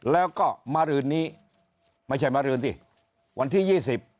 แล้วก็มารืนนี้ไม่ใช่มารืนสิวันที่ยี่สิบ